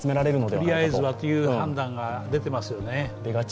とりあえずはという判断が出ていますね。